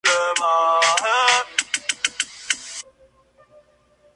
La sede del condado es Spirit Lake.